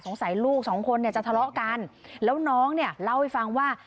ใส่ลูกสองคนเนี่ยจะทะเลาะกันแล้วน้องเนี่ยเล่าให้ฟังว่า